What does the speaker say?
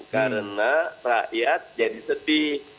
karena rakyat jadi sedih